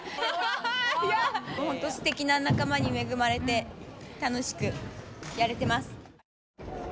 すてきな仲間に恵まれて楽しくやれてます。